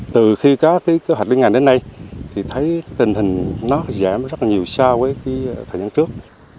từ khi có cơ hoạch liên ngàn đến nay thấy tình hình giảm rất nhiều so với thời gian trước